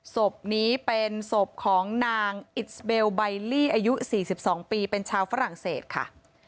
ศพนี้เป็นศพของนางอิสเบลใบลี่อายุ๔๒ปีเป็นชาวฝรั่งเศสค่ะ